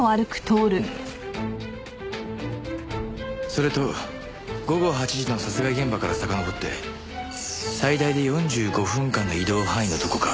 それと午後８時の殺害現場からさかのぼって最大で４５分間の移動範囲のどこか。